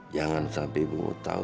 jangan sampai bapak tahu